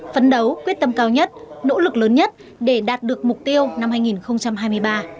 phấn đấu quyết tâm cao nhất nỗ lực lớn nhất để đạt được mục tiêu năm hai nghìn hai mươi ba